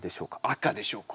赤でしょう